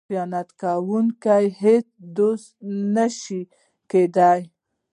خیانت کوونکی د هیچا دوست نشي کیدی.